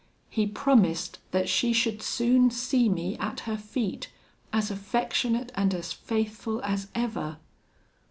He promised that she should soon see me at her feet, as affectionate and as faithful as ever.